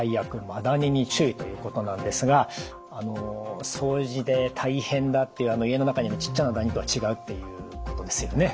マダニに注意」ということなんですが掃除で大変だっていう家の中にいるちっちゃなダニとは違うっていうことですよね。